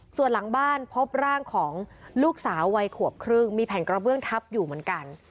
ส่วนหลังบ้านพบร่างของลูกสาววัยขวบครึ่งมีแผ่นกระเบื้องทับอยู่เหมือนกัน